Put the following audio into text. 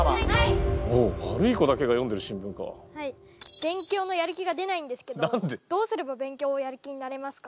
勉強のやる気が出ないんですけどどうすれば勉強をやる気になれますか？